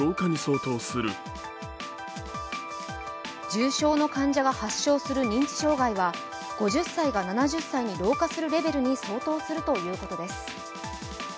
重症の患者が発症する認知障害は５０歳が７０歳に老化するレベルに相当するということです。